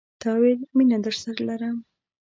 تا ویل، میینه درسره لرم